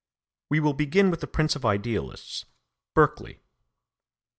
We will begin with the prince of idealists, Berkeley.